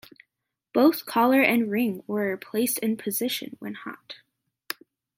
Both collar and ring were placed in position when hot.